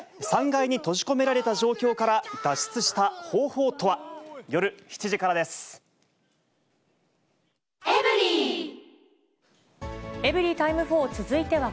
３階に閉じ込められた状態から脱出した方法とは。